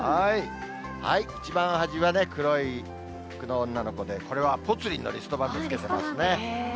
一番端はね、黒い服の女の子で、これはぽつリンのリストバンドをつけてますね。